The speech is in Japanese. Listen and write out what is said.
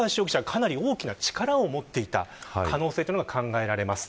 かなり大きな力を持っていた可能性が考えられます。